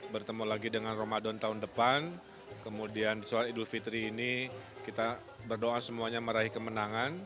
bertemu lagi dengan ramadan tahun depan kemudian sholat idul fitri ini kita berdoa semuanya meraih kemenangan